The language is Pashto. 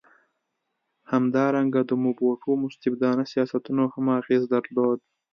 همدارنګه د موبوټو مستبدانه سیاستونو هم اغېز درلود.